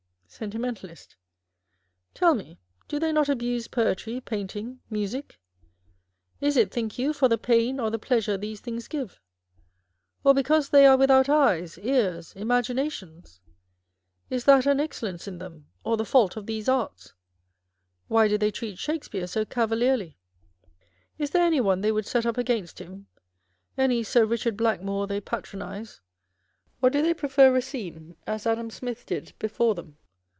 Sentimentalist. Tell me, do they not abuse poetry, paint ing, music ? Is it, think you, for the pain or the pleasure these things give '? Or because they are without eyes, ears, imaginations ? Is that an excellence in them, or the fault of these arts ? Why do they treat Shakespeare so cavalierly? Is there any one they would set up against him â€" any Sir Eichard Blackmore they patronise ; or do they prefer Eacine, as Adam Smith did before them